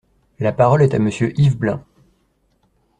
La parole est à Monsieur Yves Blein.